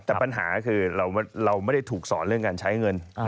แต่ปัญหาคือเราไม่ได้ถูกสอนเรื่องการใช้เงิน